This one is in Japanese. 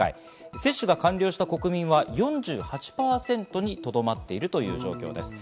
接種が完了した国民は４８％にとどまっているという状況です。